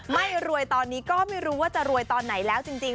ไม่รวยตอนนี้ก็ไม่รู้ว่าจะรวยตอนไหนแล้วจริง